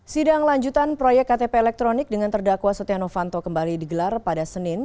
sidang lanjutan proyek ktp elektronik dengan terdakwa setia novanto kembali digelar pada senin